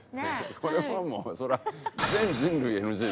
これはもうそりゃ。